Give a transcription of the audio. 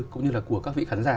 cũng như là của các vị khán giả